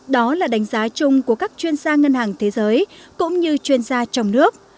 đó là đánh giá chung của các chuyên gia ngân hàng thế giới cũng như chuyên gia trong nước